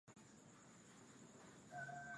Muongozo wa kufuata kupika pilau la viazi lishe